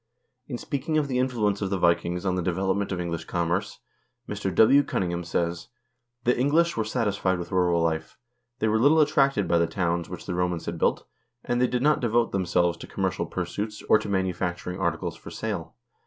In speaking of the influence of the Vikings on the development of English commerce, Mr. W. Cunningham says :" The English were satisfied with rural life; they were little attracted by the towns which the Romans had built, and they did not devote themselves to commercial pursuits or to manufacturing articles for sale.